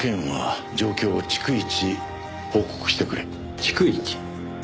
逐一？